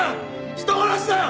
人殺しだよ！